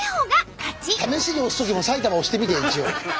試しに押すときも埼玉押してみて一応。